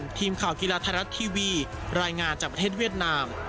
ทีมข่าวกีฬาไทยรัฐทีวีรายงานจากประเทศเวียดนาม